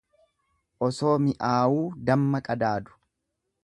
Osoo mi'aawuu damma qadaadu.